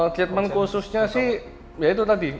statement khususnya sih ya itu tadi